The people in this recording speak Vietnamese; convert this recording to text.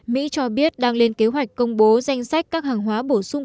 mỹ cho biết đang lên kế hoạch công bố danh sách các hàng hóa bổ sung